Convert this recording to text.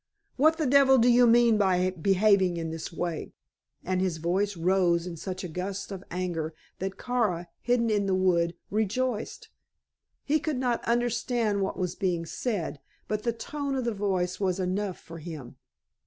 "What the devil do you mean by behaving in this way?" and his voice rose in such a gust of anger that Kara, hidden in the wood, rejoiced. He could not understand what was being said, but the tone of the voice was enough for him.